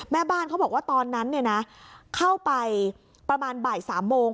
แม่บ้านเขาบอกว่าตอนนั้นเข้าไปประมาณบ่าย๓โมง